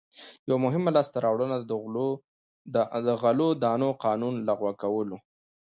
یوه مهمه لاسته راوړنه د غلو دانو قانون لغوه کول و.